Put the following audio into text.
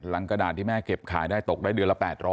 กระดาษที่แม่เก็บขายได้ตกได้เดือนละ๘๐๐